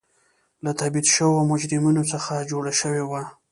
له تبعید شویو مجرمینو څخه جوړه شوې وه.